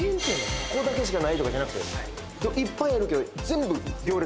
ここだけしかないとかじゃなくていっぱいあるけど全部行列？